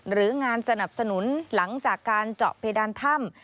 หรืองานสนับสนุนหลังจากการเจาะเพดานถ้ำ